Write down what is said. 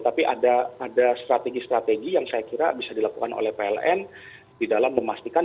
tapi ada strategi strategi yang saya kira bisa dilakukan oleh pln di dalam memastikan